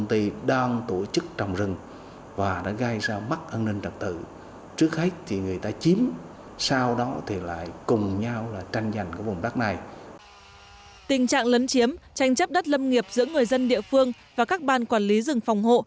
tình trạng lấn chiếm tranh chấp đất lâm nghiệp giữa người dân địa phương và các ban quản lý rừng phòng hộ